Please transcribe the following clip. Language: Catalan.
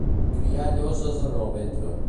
Criar lloses en el ventre.